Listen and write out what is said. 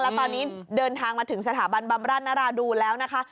แล้วตอนนี้เดินทางมาถึงสถาบันบำราชนราดูนแล้วนะคะ